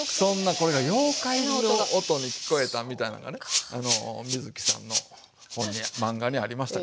これが妖怪の音に聞こえたみたいなんがねあの水木さんの本に漫画にありましたけども。